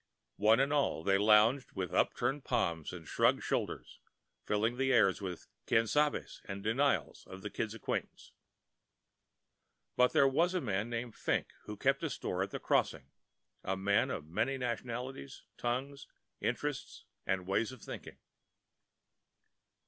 One and all they lounged with upturned palms and shrugging shoulders, filling the air with "quien sabes" and denials of the Kid's acquaintance. But there was a man named Fink who kept a store at the Crossing—a man of many nationalities, tongues, interests, and ways of thinking.